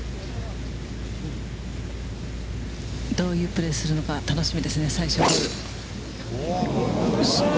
どういうプレーをするのか、楽しみですね、最終ホール。